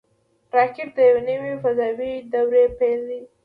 راکټ د یوه نوي فضاوي دور پیل دی